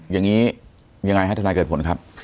อย่างนี้ยังไงฮะทนายเกิดผลครับ